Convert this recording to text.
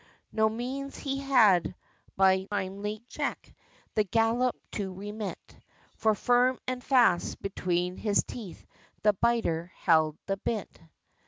No means he had, by timely check, The gallop to remit, For firm and fast, between his teeth, The biter held the bit.